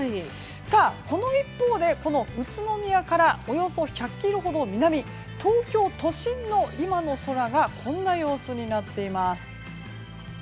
この一方で宇都宮からおよそ１００ｋｍほど南東京都心の今の空がこんな様子になっています。